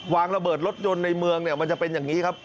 วางระเบิดรถยนต์ในเมืองเนี่ยมันจะเป็นอย่างนี้ครับ